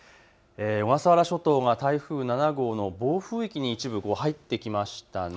小笠原諸島が台風７号の暴風域に一部、入ってきましたね。